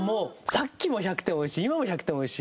「さっきも１００点おいしい今も１００点おいしい。